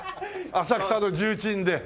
浅草の重鎮で。